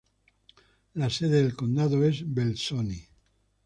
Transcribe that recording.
La sede del condado es Belzoni.